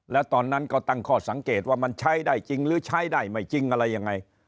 แล้วตอนนั้นก็ตั้งข้อสังเกตว่ามันใช้ได้จริงหรือใช้ได้ไม่จริงอะไรยังไง